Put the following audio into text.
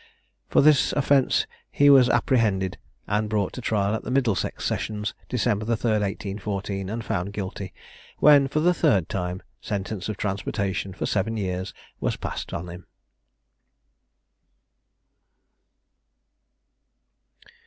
For this offence he was apprehended, and brought to trial at the Middlesex Sessions, December the 3rd, 1814, and found guilty, when, for the third time, sentence of transportation for seven years was passed on him.